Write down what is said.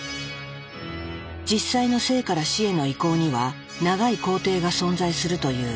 実際の生から死への移行には長い行程が存在するという。